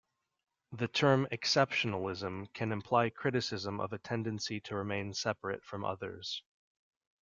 The term "exceptionalism" can imply criticism of a tendency to remain separate from others.